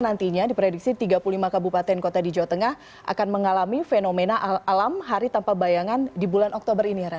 nantinya diprediksi tiga puluh lima kabupaten kota di jawa tengah akan mengalami fenomena alam hari tanpa bayangan di bulan oktober ini